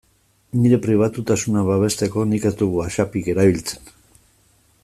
Nire pribatutasuna babesteko nik ez dut WhatsAppik erabiltzen.